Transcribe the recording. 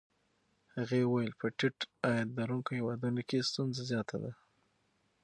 هغې وویل په ټیټ عاید لرونکو هېوادونو کې ستونزه زیاته ده.